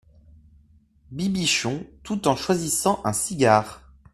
Bibichon, tout en choisissant un cigare.